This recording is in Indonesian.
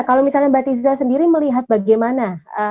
kalau misalnya mbak tiza sendiri melihat bagaimana